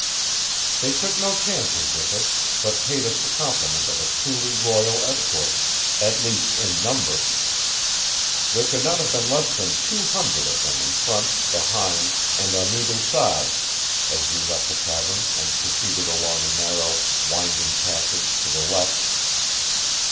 They took no chances with us, but paid us the compliment of a truly royal escort at least, in number. There could not have been less than two hundred of them in front, behind, and on either side, as we left the cavern and proceeded along a narrow, winding passage to the left.